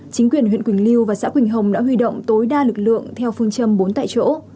chính quyền huyện quỳnh lưu và xã quỳnh hồng đã huy động tối đa lực lượng theo phương châm bốn tại chỗ